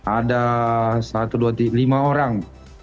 ada lima orang